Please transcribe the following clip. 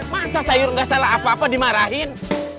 masa sayur nggak salah apa apa dimarahin